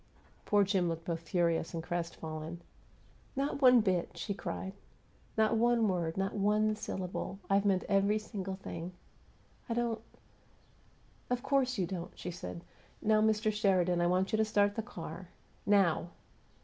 Poor Jim looked both furious and crestfallen. "Not one bit!" she cried. "Not one word! Not one syllable! I've meant every single thing!" "I don't " "Of course you don't!" she said. "Now, Mr. Sheridan, I want you to start the car. Now!